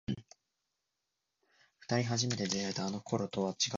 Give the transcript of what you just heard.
二人初めて出会えたあの頃とは違くても